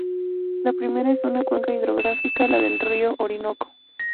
La primera es una "cuenca hidrográfica, la del río Orinoco.